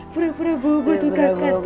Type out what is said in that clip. pura pura bobo tuh kakak tuh